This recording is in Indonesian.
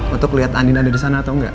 untuk ngeliat andin ada di sana atau enggak